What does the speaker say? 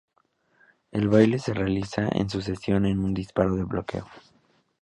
El baile se realiza en sucesión en un disparo de bloqueo.